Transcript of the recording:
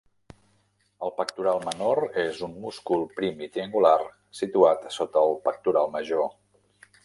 El pectoral menor és un múscul prim i triangular situat sota el pectoral major.